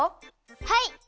はい！